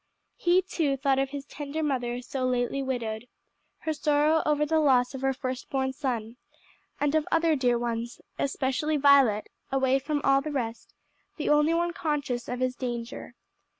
He too thought of his tender mother so lately widowed, her sorrow over the loss of her first born son; and of other dear ones, especially Violet, away from all the rest, the only one conscious of his danger.